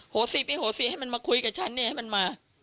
โหสิพี่โหสิให้มันมาคุยกับฉันให้มันมา